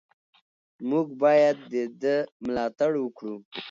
موږ باید د ده ملاتړ وکړو.